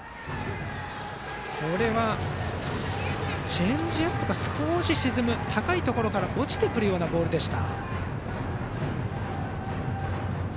チェンジアップが、少し沈む高いところから落ちてくるようなボールでした。